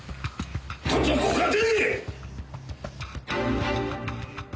とっととここから出て行け！